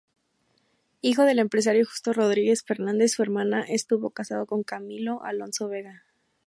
Hijo del empresario Justo Rodríguez Fernández, su hermana estuvo casada con Camilo Alonso Vega.